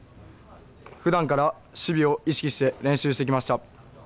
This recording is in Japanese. ふだんから守備を意識して練習してきました。